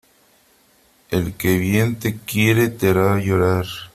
El que bien te quiere te hará llorar.